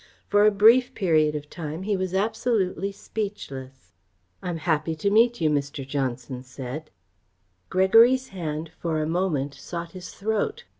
For a brief period of time he was absolutely speechless. "I am happy to meet you," Mr. Johnson said. Gregory's hand for a moment sought his throat.